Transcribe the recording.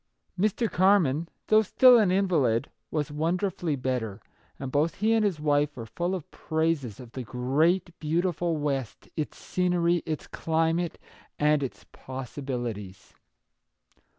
Mr. Carman, though still an invalid, was wonderfully better, and both he and his wife were full of praises of the great, beautiful West, its scenery, its climate, and its possi bilities.